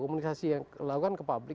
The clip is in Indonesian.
komunikasi yang dilakukan ke publik